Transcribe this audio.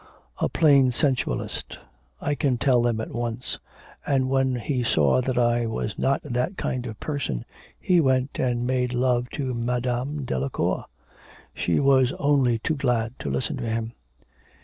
A plain sensualist. I can tell them at once, and when he saw that I was not that kind of person, he went and made love to Madame Delacour. She was only too glad to listen to him.'